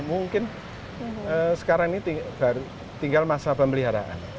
mungkin sekarang ini tinggal masa pemeliharaan